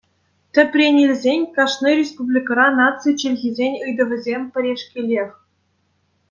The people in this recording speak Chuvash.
Тӗпрен илсен кашни республикӑра наци чӗлхисен ыйтӑвӗсем пӗрешкелех.